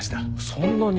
そんなに。